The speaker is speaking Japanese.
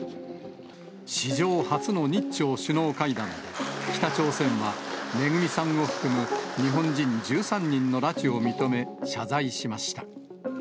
史上初の日朝首脳会談で、北朝鮮はめぐみさんを含む日本人１３人の拉致を認め、謝罪しました。